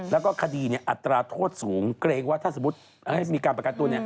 แล้วก็คดีอัตราโทษสูงเกรงว่าถ้าสมมุติให้มีการประกันตัว